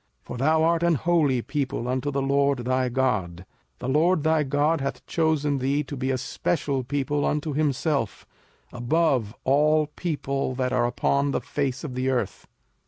05:007:006 For thou art an holy people unto the LORD thy God: the LORD thy God hath chosen thee to be a special people unto himself, above all people that are upon the face of the earth.